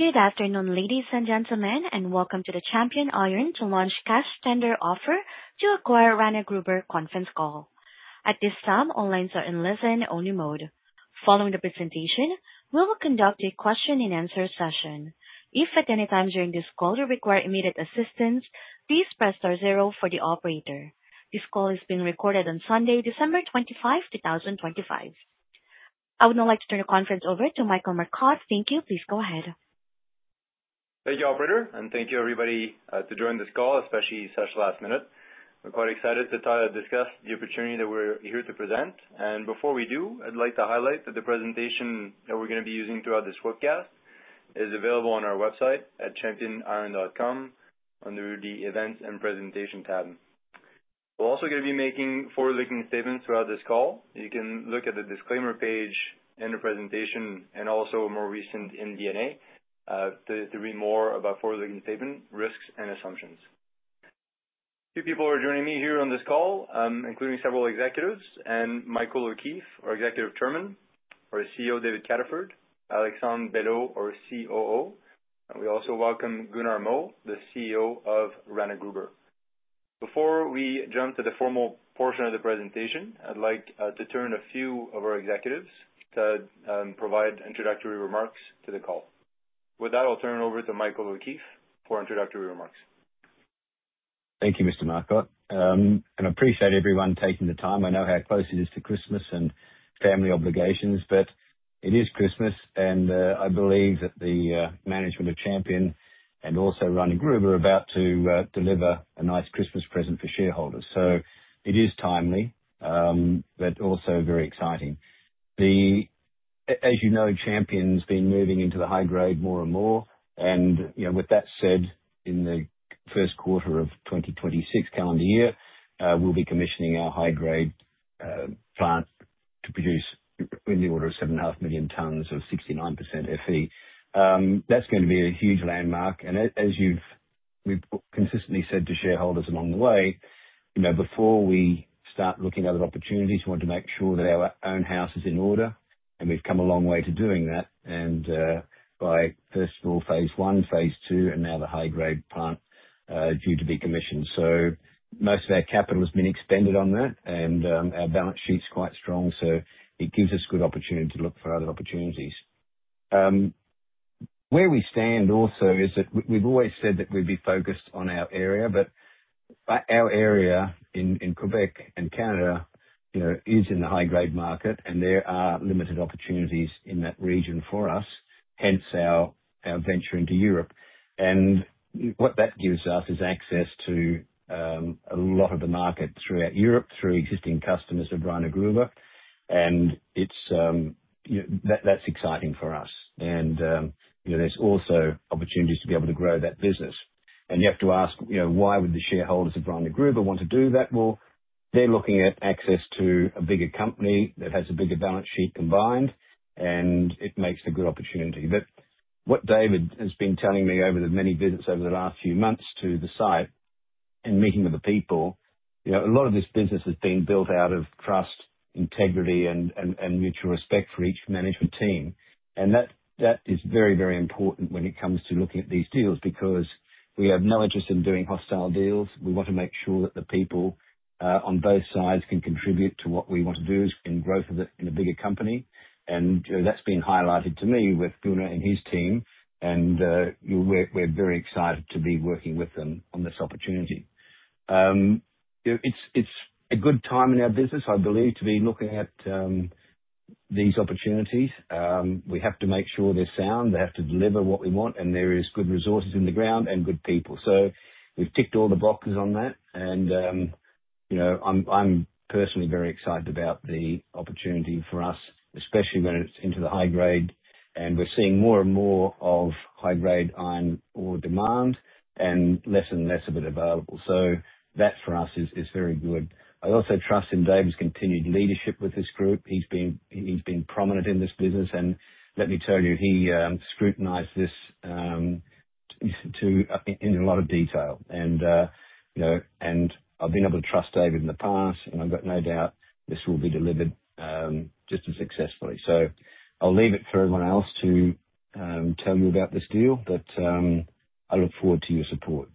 Good afternoon, ladies and gentlemen, welcome to the Champion Iron to Launch Cash Tender Offer to Acquire Rana Gruber conference call. At this time, all lines are in listen-only mode. Following the presentation, we will conduct a question-and-answer session. If at any time during this call you require immediate assistance, please press star 0 for the operator. This call is being recorded on Sunday, December 25, 2025. I would now like to turn the conference over to Michael Marcotte. Thank you. Please go ahead. Thank you, operator, and thank you, everybody, to join this call, especially such last minute. We're quite excited to discuss the opportunity that we're here to present. Before we do, I'd like to highlight that the presentation that we're gonna be using throughout this webcast is available on our website at championiron.com, under the Events and Presentation tab. We're also gonna be making forward-looking statements throughout this call. You can look at the disclaimer page in the presentation and also a more recent MD&A, to, to read more about forward-looking statements, risks, and assumptions. Two people are joining me here on this call, including several executives, and Michael O'Keeffe, our Executive Chairman, our CEO, David Cataford, Alexandre Belleau, our COO. We also welcome Gunnar Moe, the CEO of Rana Gruber. Before we jump to the formal portion of the presentation, I'd like to turn a few of our executives to provide introductory remarks to the call. With that, I'll turn it over to Michael O'Keeffe for introductory remarks. Thank you, Mr. Marcotte. I appreciate everyone taking the time. I know how close it is to Christmas and family obligations, but it is Christmas, and I believe that the management of Champion and also Rana Gruber are about to deliver a nice Christmas present for shareholders. It is timely, but also very exciting. As you know, Champion's been moving into the high-grade more and more, and, you know, with that said, in the first quarter of 2026 calendar year, we'll be commissioning our high-grade plant to produce in the order of 7.5 million tons of 69% FE. That's going to be a huge landmark, as we've consistently said to shareholders along the way, you know, before we start looking at other opportunities, we want to make sure that our own house is in order, and we've come a long way to doing that. By first of all, phase one, phase two, and now the high-grade plant, due to be commissioned. Most of our capital has been extended on that, and our balance sheet's quite strong, so it gives us good opportunity to look for other opportunities. Where we stand also is that we've always said that we'd be focused on our area, but by our area in, in Quebec and Canada, you know, is in the high-grade market, and there are limited opportunities in that region for us, hence our, our venture into Europe. What that gives us is access to a lot of the market throughout Europe, through existing customers of Rana Gruber, and it's that, that's exciting for us. You know, there's also opportunities to be able to grow that business. You have to ask, you know, why would the shareholders of Rana Gruber want to do that? Well, they're looking at access to a bigger company that has a bigger balance sheet combined, and it makes a good opportunity. What David has been telling me over the many visits over the last few months to the site and meeting with the people, you know, a lot of this business has been built out of trust, integrity, and, and, and mutual respect for each management team. That, that is very, very important when it comes to looking at these deals, because we have no interest in doing hostile deals. We want to make sure that the people on both sides can contribute to what we want to do is, in growth in a bigger company. You know, that's been highlighted to me with Gunnar and his team, and we're very excited to be working with them on this opportunity. You know, it's, it's a good time in our business, I believe, to be looking at these opportunities. We have to make sure they're sound, they have to deliver what we want, and there is good resources in the ground and good people. We've ticked all the boxes on that, and, you know, I'm, I'm personally very excited about the opportunity for us, especially when it's into the high grade, and we're seeing more and more of high-grade iron ore demand and less and less of it available. That, for us, is, is very good. I also trust in David's continued leadership with this group. He's been, he's been prominent in this business, and let me tell you, he scrutinized this in a lot of detail. You know, and I've been able to trust David in the past, and I've got no doubt this will be delivered just as successfully. I'll leave it for everyone else to tell you about this deal, but I look forward to your support.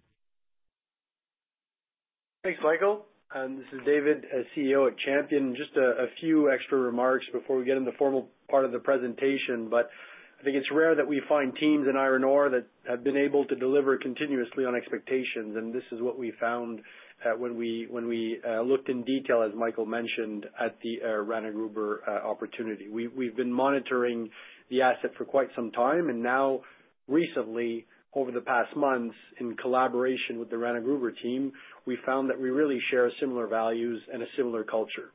Thanks, Michael. This is David, as CEO at Champion Iron. Just a few extra remarks before we get into the formal part of the presentation. I think it's rare that we find teams in iron ore that have been able to deliver continuously on expectations. This is what we found when we, when we looked in detail, as Michael mentioned, at the Rana Gruber opportunity. We, we've been monitoring the asset for quite some time, and now recently, over the past months, in collaboration with the Rana Gruber team, we found that we really share similar values and a similar culture.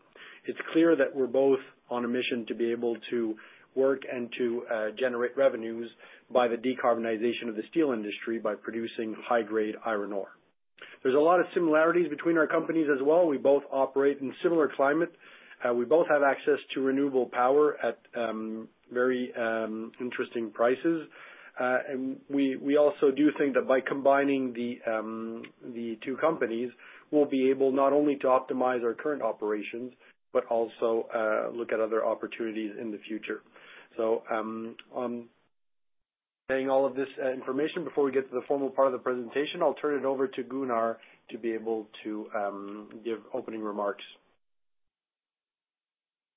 It's clear that we're both on a mission to be able to work and to generate revenues by the decarbonization of the steel industry by producing high-grade iron ore. There's a lot of similarities between our companies as well. We both operate in similar climates. We both have access to renewable power at very interesting prices. We also do think that by combining the two companies, we'll be able not only to optimize our current operations, but also look at other opportunities in the future. Saying all of this information before we get to the formal part of the presentation, I'll turn it over to Gunnar to be able to give opening remarks.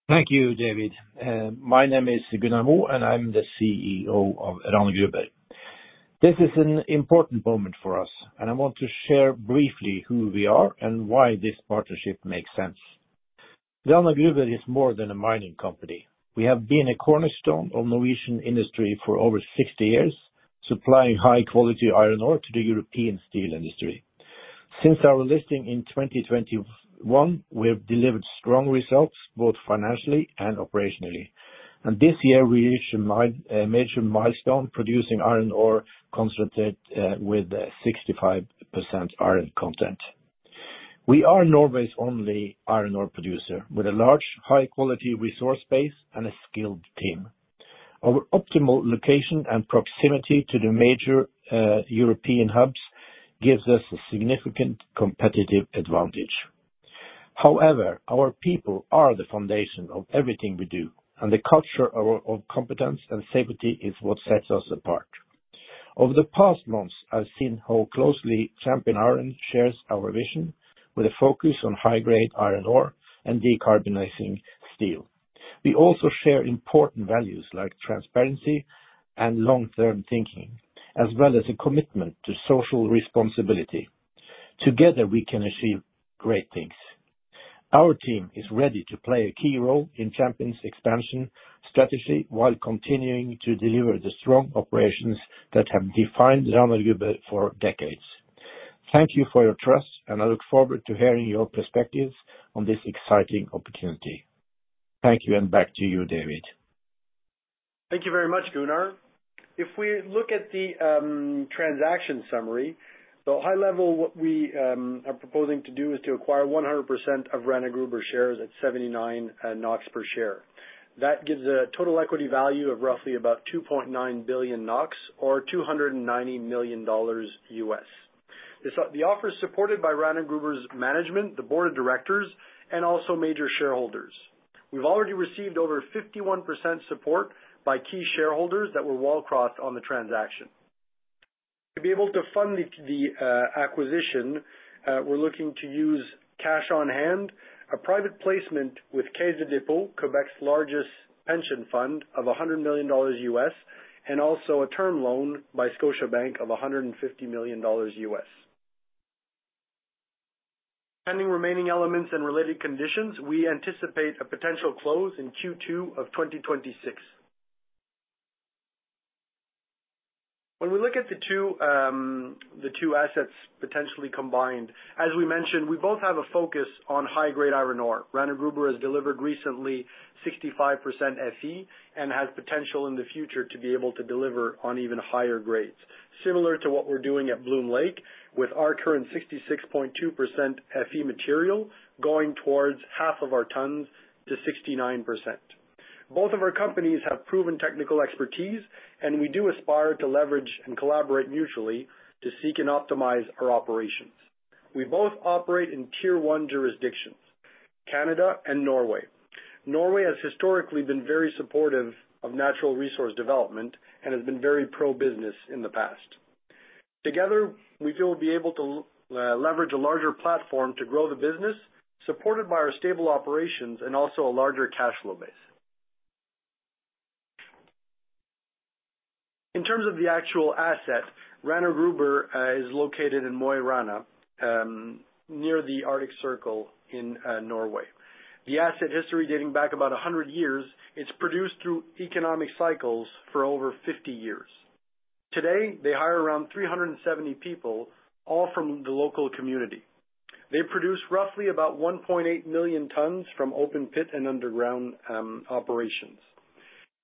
Thank you, David. My name is Gunnar Moe, and I'm the CEO of Rana Gruber. This is an important moment for us, and I want to share briefly who we are and why this partnership makes sense. Rana Gruber is more than a mining company. We have been a cornerstone of Norwegian industry for over 60 years, supplying high-quality iron ore to the European steel industry. Since our listing in 2021, we have delivered strong results, both financially and operationally. This year, we reached a major milestone, producing iron ore concentrate with 65% iron content. We are Norway's only iron ore producer, with a large, high-quality resource base and a skilled team. Our optimal location and proximity to the major European hubs gives us a significant competitive advantage. Our people are the foundation of everything we do, and the culture of competence and safety is what sets us apart. Over the past months, I've seen how closely Champion Iron shares our vision, with a focus on high-grade iron ore and decarbonizing steel. We also share important values like transparency and long-term thinking, as well as a commitment to social responsibility. Together, we can achieve great things. Our team is ready to play a key role in Champion's expansion strategy while continuing to deliver the strong operations that have defined Rana Gruber for decades. Thank you for your trust. I look forward to hearing your perspectives on this exciting opportunity. Thank you. Back to you, David. Thank you very much, Gunnar. If we look at the transaction summary, high level, what we are proposing to do is to acquire 100% of Rana Gruber shares at 79 NOK per share. That gives a total equity value of roughly about 2.9 billion NOK or $290 million. The offer is supported by Rana Gruber's management, the board of directors, and also major shareholders. We've already received over 51% support by key shareholders that were wall crossed on the transaction. To be able to fund the acquisition, we're looking to use cash on hand, a private placement with Caisse de dépôt, Quebec's largest pension fund, of $100 million, and also a term loan by Scotiabank of $150 million. Pending remaining elements and related conditions, we anticipate a potential close in Q2 of 2026. When we look at the two, the two assets potentially combined, as we mentioned, we both have a focus on high-grade iron ore. Rana Gruber has delivered recently 65% Fe and has potential in the future to be able to deliver on even higher grades. Similar to what we're doing at Bloom Lake, with our current 66.2% Fe material going towards half of our tons to 69%. Both of our companies have proven technical expertise, and we do aspire to leverage and collaborate mutually to seek and optimize our operations. We both operate in Tier One jurisdictions, Canada and Norway. Norway has historically been very supportive of natural resource development and has been very pro-business in the past. Together, we feel we'll be able to leverage a larger platform to grow the business, supported by our stable operations and also a larger cash flow base. In terms of the actual asset, Rana Gruber is located in Mo i Rana, near the Arctic Circle in Norway. The asset history dating back about 100 years, it's produced through economic cycles for over 50 years. Today, they hire around 370 people, all from the local community. They produce roughly about 1.8 million tons from open pit and underground operations.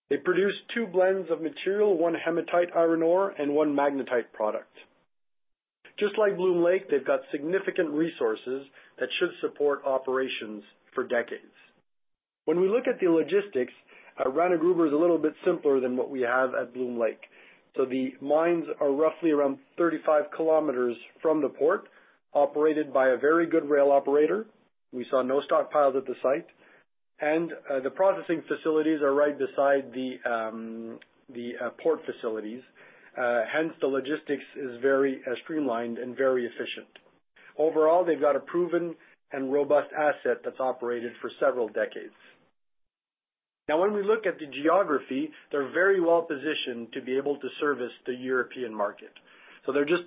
They produce two blends of material, one hematite iron ore and one magnetite product. Just like Bloom Lake, they've got significant resources that should support operations for decades. When we look at the logistics, Rana Gruber is a little bit simpler than what we have at Bloom Lake. The mines are roughly around 35 km from the port, operated by a very good rail operator. We saw no stockpiles at the site, and the processing facilities are right beside the port facilities. Hence, the logistics is very streamlined and very efficient. Overall, they've got a proven and robust asset that's operated for several decades. Now, when we look at the geography, they're very well positioned to be able to service the European market. They're just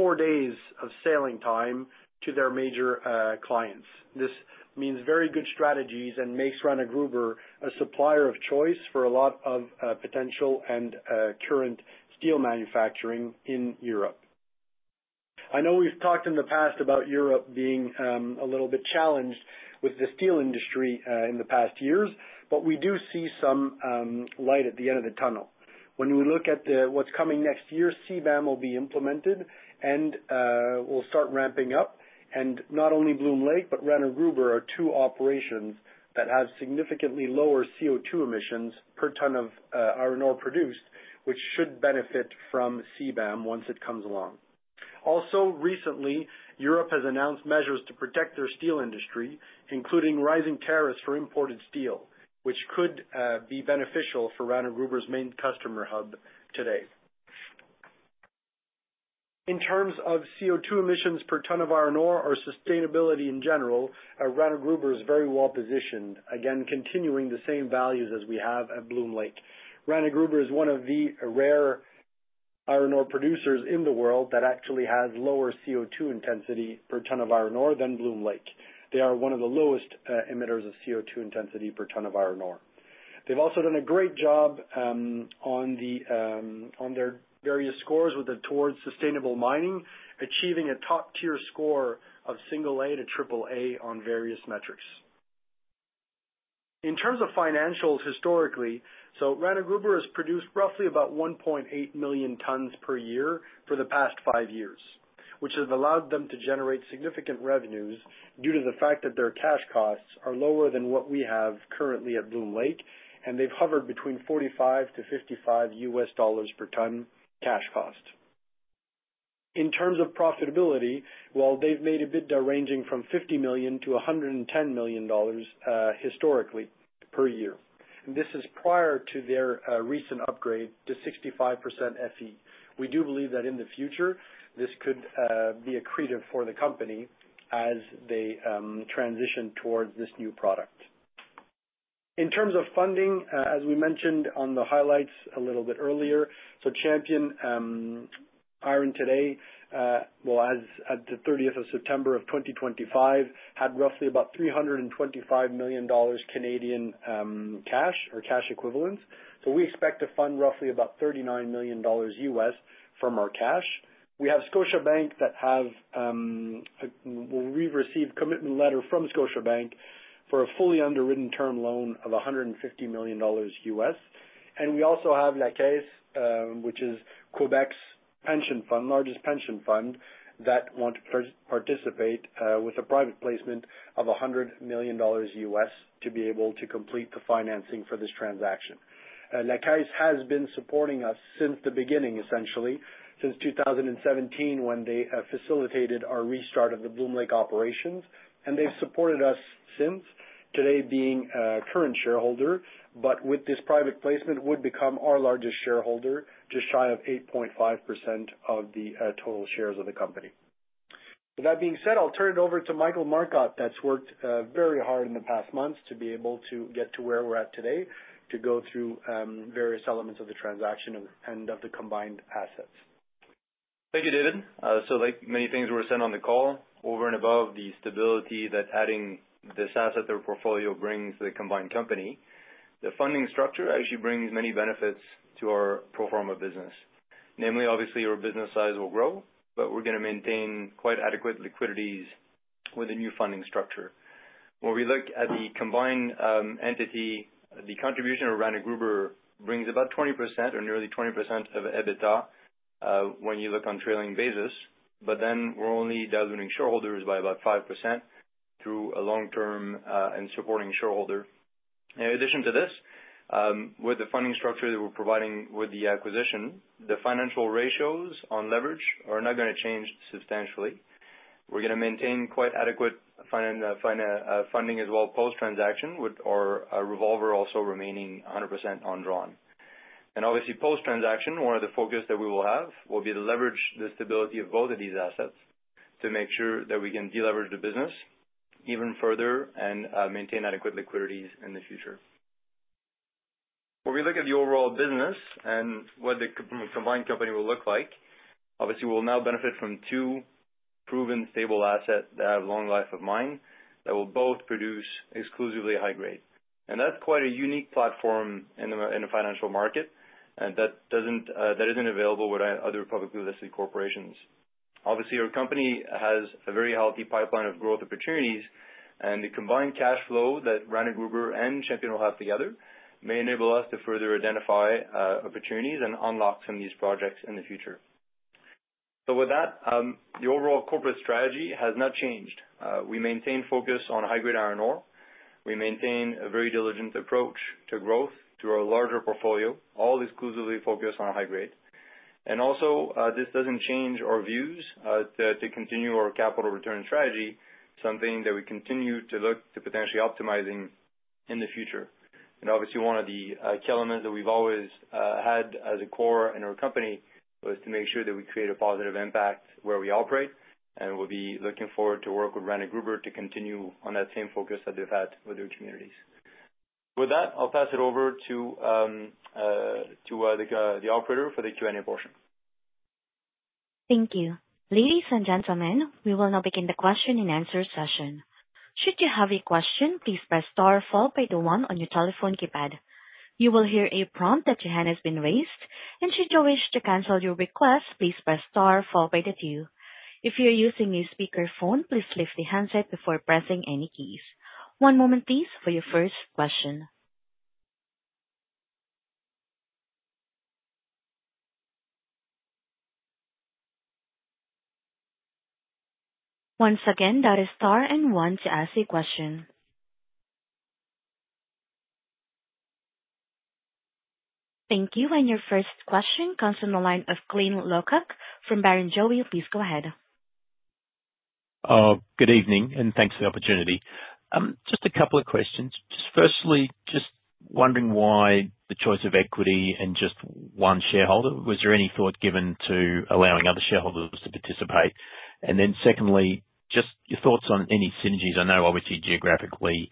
3-4 days of sailing time to their major clients. This means very good strategies and makes Rana Gruber a supplier of choice for a lot of potential and current steel manufacturing in Europe. I know we've talked in the past about Europe being a little bit challenged with the steel industry in the past years, but we do see some light at the end of the tunnel. When we look at the, what's coming next year, CBAM will be implemented, and we'll start ramping up. Not only Bloom Lake, but Rana Gruber are two operations that have significantly lower CO2 emissions per ton of iron ore produced, which should benefit from CBAM once it comes along. Also, recently, Europe has announced measures to protect their steel industry, including rising tariffs for imported steel, which could be beneficial for Rana Gruber's main customer hub today. In terms of CO2 emissions per ton of iron ore, or sustainability in general, Rana Gruber is very well positioned, again, continuing the same values as we have at Bloom Lake. Rana Gruber is one of the rare iron ore producers in the world that actually has lower CO2 intensity per ton of iron ore than Bloom Lake. They are one of the lowest emitters of CO2 intensity per ton of iron ore. They've also done a great job on their various scores with the Towards Sustainable Mining, achieving a top-tier score of single A to triple A on various metrics. In terms of financials, historically, Rana Gruber has produced roughly about 1.8 million tons per year for the past 5 years, which has allowed them to generate significant revenues due to the fact that their cash costs are lower than what we have currently at Bloom Lake, and they've hovered between $45-$55 per ton cash cost. In terms of profitability, while they've made EBITDA ranging from 50 million to 110 million dollars, historically, per year, and this is prior to their recent upgrade to 65% Fe. We do believe that in the future, this could be accretive for the company as they transition towards this new product. In terms of funding, as we mentioned on the highlights a little bit earlier, Champion Iron today, well, as at the 30th of September of 2025, had roughly about 325 million Canadian dollars cash or cash equivalents. We expect to fund roughly about $39 million from our cash. We have Scotiabank that have, well, we've received commitment letter from Scotiabank for a fully underwritten term loan of $150 million. We also have La Caisse, which is Quebec's pension fund, largest pension fund, that want to participate with a private placement of $100 million, to be able to complete the financing for this transaction. La Caisse has been supporting us since the beginning, essentially, since 2017, when they facilitated our restart of the Bloom Lake operations, and they've supported us since, today being a current shareholder, but with this private placement, would become our largest shareholder, just shy of 8.5% of the total shares of the company. With that being said, I'll turn it over to Michael Marcotte, that's worked very hard in the past months to be able to get to where we're at today, to go through various elements of the transaction and of the combined assets. Thank you, David. Like many things were said on the call, over and above the stability that adding this asset to our portfolio brings to the combined company, the funding structure actually brings many benefits to our pro forma business. Namely, obviously, our business size will grow, we're gonna maintain quite adequate liquidities with the new funding structure. When we look at the combined entity, the contribution of Rana Gruber brings about 20% or nearly 20% of EBITDA, when you look on trailing basis, but then we're only diluting shareholders by about 5% through a long-term and supporting shareholder. In addition to this, with the funding structure that we're providing with the acquisition, the financial ratios on leverage are not gonna change substantially. We're gonna maintain quite adequate funding as well, post-transaction, with our revolver also remaining 100% undrawn. Obviously, post-transaction, one of the focus that we will have, will be to leverage the stability of both of these assets to make sure that we can deleverage the business even further and maintain adequate liquidities in the future. When we look at the overall business and what the combined company will look like, obviously, we'll now benefit from two proven, stable assets that have long life of mine, that will both produce exclusively high grade. That's quite a unique platform in the financial market, and that doesn't that isn't available with other publicly listed corporations. Obviously, our company has a very healthy pipeline of growth opportunities, the combined cash flow that Rana Gruber and Champion will have together may enable us to further identify opportunities and unlock some of these projects in the future. With that, the overall corporate strategy has not changed. We maintain focus on high-grade iron ore. We maintain a very diligent approach to growth through our larger portfolio, all exclusively focused on high grade. Also, this doesn't change our views to, to continue our capital return strategy, something that we continue to look to potentially optimizing in the future. Obviously, one of the key elements that we've always had as a core in our company was to make sure that we create a positive impact where we operate, and we'll be looking forward to work with Rana Gruber to continue on that same focus that they've had with their communities. With that, I'll pass it over to the operator for the Q&A portion. Thank you. Ladies and gentlemen, we will now begin the question and answer session. Should you have a question, please press star followed by the one on your telephone keypad. You will hear a prompt that your hand has been raised, and should you wish to cancel your request, please press star followed by the two. If you are using a speakerphone, please lift the handset before pressing any keys. One moment, please, for your first question. Once again, that is star and one to ask a question. Thank you. Your first question comes from the line of Glenn Lockuck from Barrenjoey. Please go ahead. Good evening, thanks for the opportunity. Just a couple of questions. Just firstly, just wondering why the choice of equity and just one shareholder. Was there any thought given to allowing other shareholders to participate? Then secondly, just your thoughts on any synergies. I know obviously geographically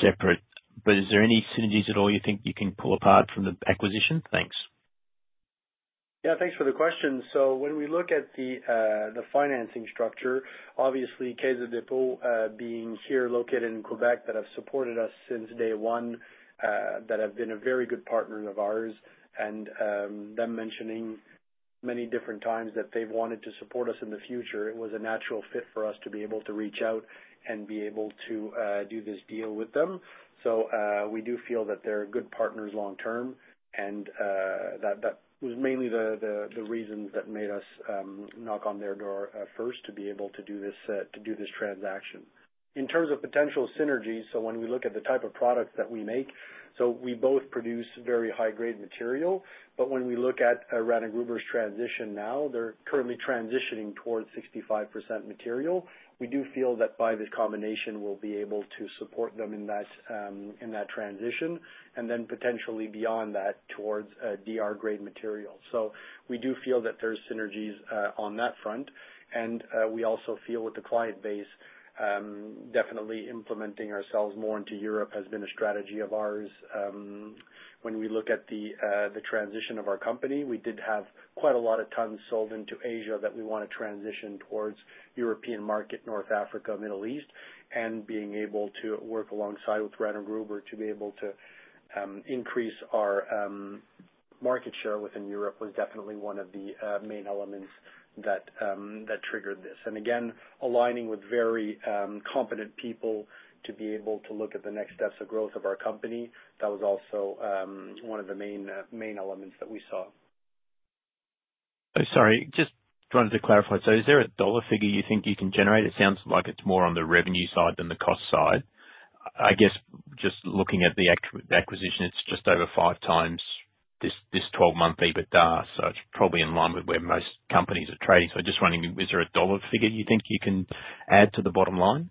separate, but is there any synergies at all you think you can pull apart from the acquisition? Thanks. Yeah, thanks for the question. When we look at the financing structure, obviously, Caisse de dépôt, being here located in Quebec, that have supported us since day one, that have been a very good partner of ours, and them mentioning many different times that they've wanted to support us in the future, it was a natural fit for us to be able to reach out and be able to do this deal with them. We do feel that they're good partners long term, and that, that was mainly the, the, the reason that made us knock on their door first to be able to do this to do this transaction. In terms of potential synergies, when we look at the type of products that we make, we both produce very high-grade material. When we look at Rana Gruber's transition now, they're currently transitioning towards 65% material. We do feel that by this combination, we'll be able to support them in that transition, and then potentially beyond that, towards DR-grade material. We do feel that there's synergies on that front. We also feel with the client base, definitely implementing ourselves more into Europe has been a strategy of ours. When we look at the transition of our company, we did have quite a lot of tons sold into Asia that we wanna transition towards European market, North Africa, Middle East, and being able to work alongside with Rana Gruber to be able to increase our market share within Europe, was definitely one of the main elements that triggered this. Again, aligning with very competent people to be able to look at the next steps of growth of our company, that was also one of the main main elements that we saw. Sorry, just wanted to clarify. Is there a dollar figure you think you can generate? It sounds like it's more on the revenue side than the cost side. I guess, just looking at the acquisition, it's just over 5 times this, this 12-month EBITDA, so it's probably in line with where most companies are trading. I just wondering, is there a dollar figure you think you can add to the bottom line?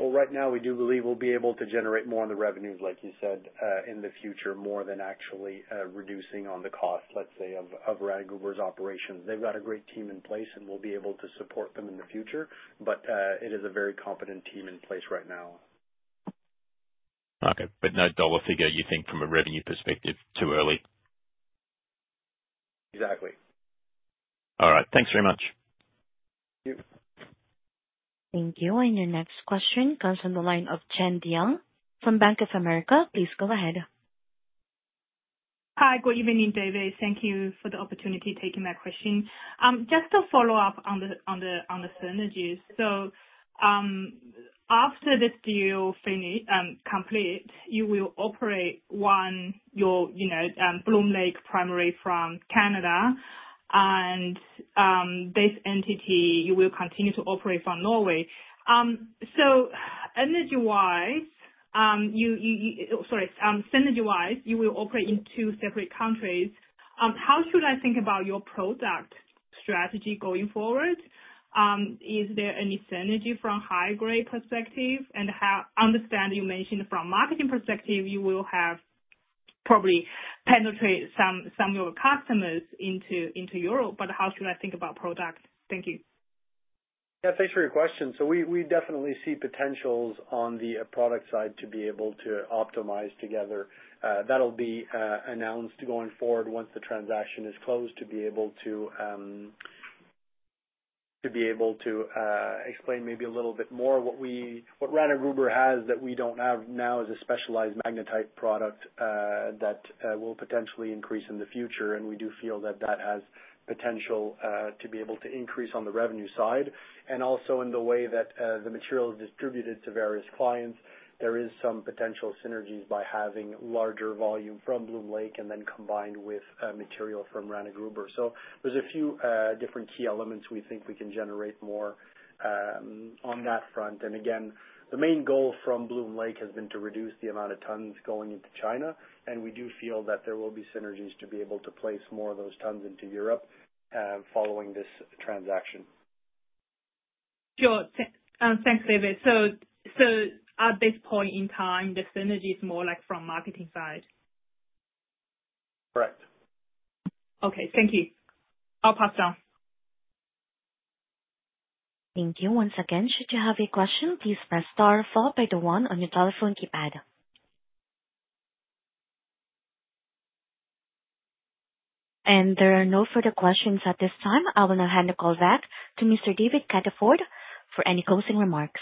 Well, right now we do believe we'll be able to generate more on the revenues, like you said, in the future, more than actually, reducing on the cost, let's say, of, of Rana Gruber's operations. They've got a great team in place, and we'll be able to support them in the future, but, it is a very competent team in place right now. Okay, no dollar figure, you think, from a revenue perspective, too early? Exactly. All right. Thanks very much. Thank you. Thank you. Your next question comes from the line of Chen Diang from Bank of America. Please go ahead. Hi, good evening, David. Thank you for the opportunity, taking my question. Just to follow up on the, on the, on the synergies. After this deal finish, complete, you will operate one, your, you know, Bloom Lake primary from Canada, and, this entity, you will continue to operate from Norway. Energy-wise, you, you, sorry, synergy-wise, you will operate in two separate countries. How should I think about your product strategy going forward? Is there any synergy from high-grade perspective? How... I understand you mentioned from marketing perspective, you will have probably penetrate some, some of your customers into, into Europe, but how should I think about product? Thank you. Yeah, thanks for your question. We, we definitely see potentials on the product side to be able to optimize together. That'll be announced going forward, once the transaction is closed, to be able to explain maybe a little bit more what Rana Gruber has, that we don't have now, is a specialized magnetite product that will potentially increase in the future, and we do feel that that has potential to be able to increase on the revenue side. In the way that the material is distributed to various clients, there is some potential synergies by having larger volume from Bloom Lake and then combined with material from Rana Gruber. There's a few different key elements we think we can generate more on that front. Again, the main goal from Bloom Lake has been to reduce the amount of tons going into China, and we do feel that there will be synergies to be able to place more of those tons into Europe, following this transaction. Sure. Thanks, David. At this point in time, the synergy is more like from marketing side? Correct. Okay, thank you. I'll pass down. Thank you once again. Should you have a question, please press star followed by the one on your telephone keypad. There are no further questions at this time. I will now hand the call back to Mr. David Cataford for any closing remarks.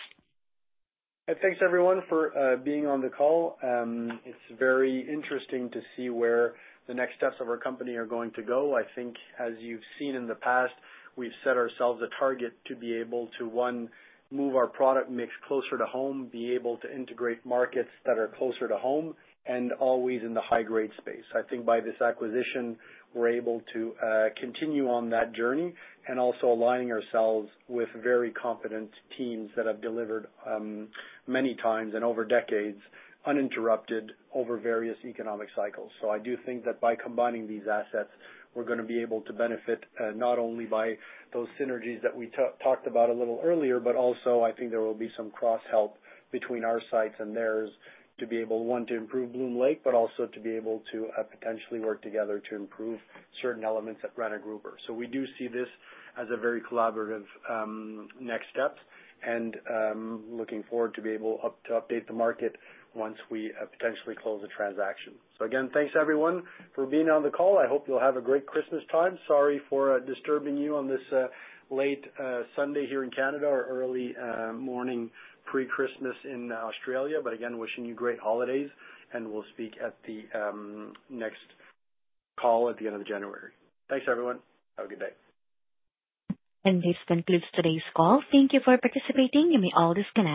Thanks, everyone, for being on the call. It's very interesting to see where the next steps of our company are going to go. I think, as you've seen in the past, we've set ourselves a target to be able to, one, move our product mix closer to home, be able to integrate markets that are closer to home, and always in the high-grade space. I think by this acquisition, we're able to continue on that journey, and also aligning ourselves with very competent teams that have delivered many times and over decades, uninterrupted over various economic cycles. I do think that by combining these assets, we're gonna be able to benefit, not only by those synergies that we talked about a little earlier, but also I think there will be some cross-help between our sites and theirs to be able, one, to improve Bloom Lake, but also to be able to potentially work together to improve certain elements at Rana Gruber. We do see this as a very collaborative next step, and looking forward to be able to update the market once we potentially close the transaction. Again, thanks everyone for being on the call. I hope you'll have a great Christmas time. Sorry for disturbing you on this late Sunday here in Canada or early morning pre-Christmas in Australia. Again, wishing you great holidays, and we'll speak at the next call at the end of January. Thanks, everyone. Have a good day. This concludes today's call. Thank you for participating, and you may all disconnect.